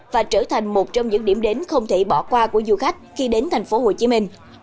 và trở thành một trong những điểm đến không thể bỏ qua của du khách khi đến thành phố hồ chí minh